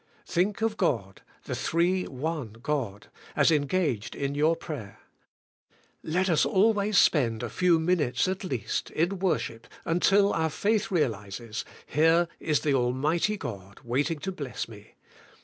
Think of God, the Three One God, as engaged in your prayer. Let us always spend a few minutes, at least, in worship, until our faith realizes. Here is the Almighty God, waiting to bless me.